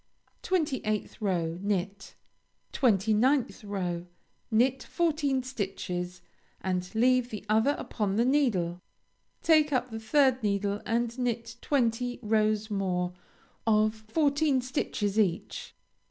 28th row Knit. 29th row Knit fourteen stitches, and leave the other upon the needle. Take up the third needle and knit twenty rows more, of fourteen stitches each.